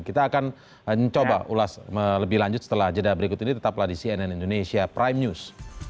kita akan coba ulas lebih lanjut setelah jeda berikut ini tetaplah di cnn indonesia prime news